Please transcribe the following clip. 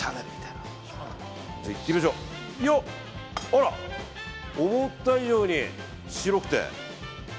あら、思った以上に白くて。